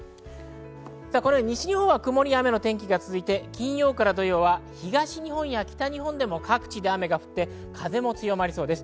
西日本は曇りや雨の天気が続いて金曜から土曜は東日本や北日本でも各地で雨が降って風も強まりそうです。